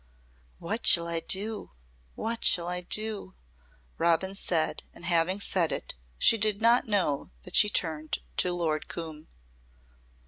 "What shall I do what shall I do?" Robin said and having said it she did not know that she turned to Lord Coombe.